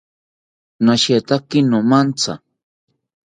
Nashetaki nomatha